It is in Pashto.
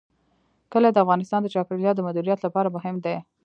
کلي د افغانستان د چاپیریال د مدیریت لپاره مهم دي.